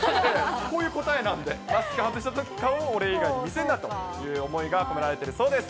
こういう答えなんで、マスク外した顔を俺以外に見せるなという思いが込められてるそうです。